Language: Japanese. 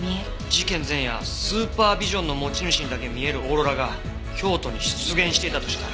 事件前夜スーパービジョンの持ち主にだけ見えるオーロラが京都に出現していたとしたら。